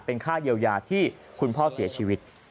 เป็นค่าเยียวยาที่คุณพ่อเสียชีวิต